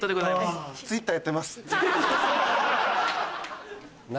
ツイッターやってます。